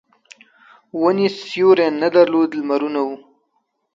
ونې سیوری نه درلود لمرونه وو.